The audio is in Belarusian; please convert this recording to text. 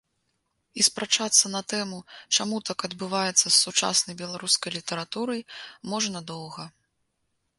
І спрачацца на тэму, чаму так адбываецца з сучаснай беларускай літаратурай, можна доўга.